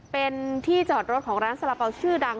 เป็นที่จอดรถของร้านสาระเป๋าชื่อดัง